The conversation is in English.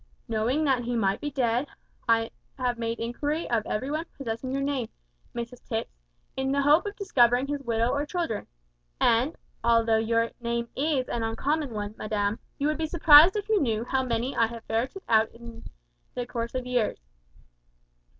Knowing that he might be dead, I have made inquiry of every one possessing your name, Mrs Tipps, in the hope of discovering his widow or children; and, although your name is an uncommon one, madam, you would be surprised if you knew how many I have ferreted out in the course of years.